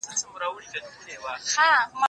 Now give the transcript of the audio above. هغه وويل چي کتابتوني کار ضروري دي؟!